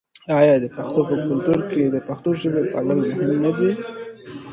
آیا د پښتنو په کلتور کې د پښتو ژبې پالل مهم نه دي؟